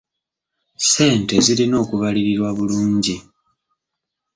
Ssente zirina okubalirirwa bulungi.